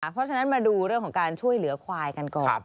เพราะฉะนั้นมาดูการช่วยเหลือควายกันก่อน